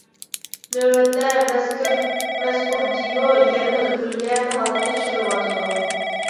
نۆۋەتتە مەزكۇر دېلو يەنىمۇ ئىلگىرىلىگەن ھالدا تەكشۈرۈلۈۋاتىدۇ.